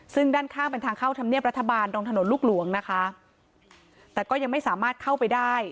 ซึ่งด้านข้างเป็นทางเข้าธรรมเนียบรัฐบาลตรงถนนลูกหลวงนะคะแต่ก็ยังไม่สามารถเข้าไปได้